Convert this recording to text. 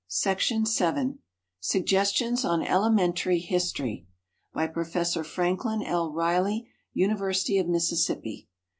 Van Sickle Suggestions on Elementary History BY PROFESSOR FRANKLIN L. RILEY, UNIVERSITY OF MISSISSIPPI.